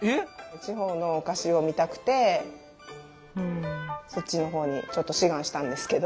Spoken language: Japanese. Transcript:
地方のお菓子を見たくてそっちのほうにちょっと志願したんですけど。